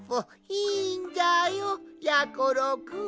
いいんじゃよやころくん。